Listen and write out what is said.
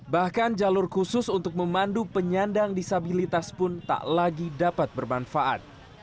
bahkan jalur khusus untuk memandu penyandang disabilitas pun tak lagi dapat bermanfaat